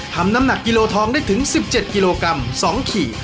น้ำหนักกิโลทองได้ถึง๑๗กิโลกรัม๒ขีด